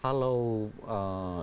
kalau lihat respon bumbo